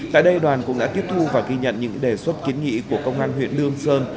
tại đây đoàn cũng đã tiếp thu và ghi nhận những đề xuất kiến nghị của công an huyện lương sơn